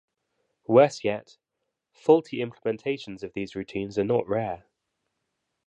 Worse yet, faulty implementations of these routines are not rare.